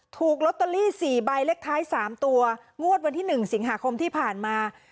ถูกล็อตเตอรี่สี่ใบเล็กท้ายสามตัวงวดวันที่หนึ่งสิงหาคมที่ผ่านมา